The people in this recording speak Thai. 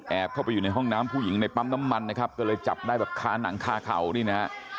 เข้าไปอยู่ในห้องน้ำผู้หญิงในปั๊มน้ำมันนะครับก็เลยจับได้แบบคาหนังคาเข่านี่นะฮะ